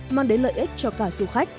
mang đến lợi ích cho cả du khách